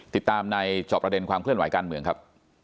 ติดตามในจอบประเด็นความเคลื่อนไหวการเมืองครับ